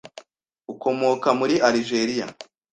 ukomoka muri Algeria,